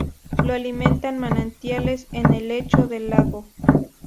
Lo alimentan manantiales en el lecho del lago.